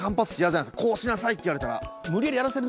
「こうしなさい」って言われたら。